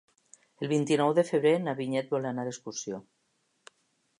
El vint-i-nou de febrer na Vinyet vol anar d'excursió.